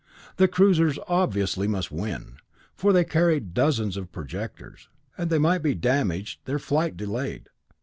The cruisers obviously must win, for they carried dozens of projectors, but they might be damaged, their flight delayed.